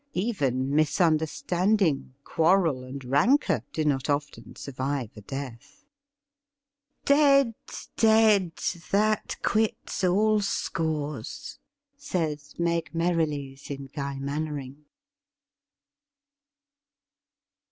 Even misunderstanding, quarrel and rancour do not often sur vive a death. ' Dead, dead ! That quits all scores,' says Meg Merrilies in ' Guy Mannering.''